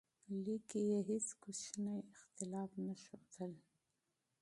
لیک کې یې هیڅ کوچنی اختلاف نه ښودل.